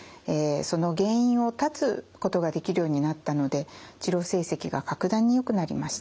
その原因を断つことができるようになったので治療成績が格段によくなりました。